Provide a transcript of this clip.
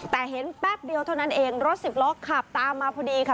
แต่เห็นแป๊บเดียวเท่านั้นเองรถสิบล้อขับตามมาพอดีค่ะ